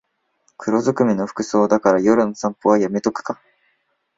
黒ずくめの服装だから夜の散歩はやめとくか